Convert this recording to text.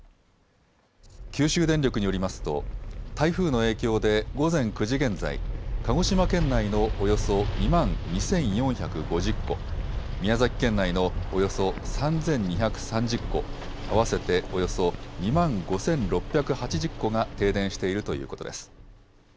九州電力によりますと台風の影響で午前９時現在、鹿児島県内のおよそ２万２４５０戸、宮崎県内のおよそ３２３０戸、合わせておよそ２万５６８０戸が停電しているということです。